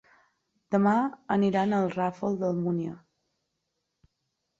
Demà aniran al Ràfol d'Almúnia.